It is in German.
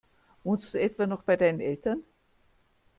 Wohnst du etwa noch bei deinen Eltern?